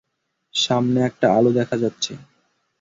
সামনে একটা আলো দেখা যাচ্ছে।